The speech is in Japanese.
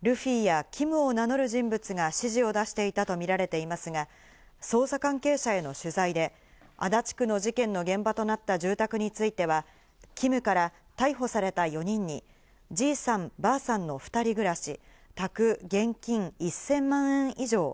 全国で相次いだ強盗事件では、ルフィやキムを名乗る人物が指示を出していたとみられていますが、捜査関係者への取材で足立区の事件の現場となった住宅については、キムから逮捕された４人に「爺さん、婆さんの２人暮らし、宅現金１０００万円以上。